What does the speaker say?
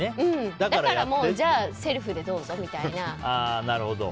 だからもうじゃあセルフでどうぞみたいな。